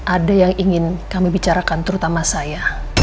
ada yang ingin kami bicarakan terutama saya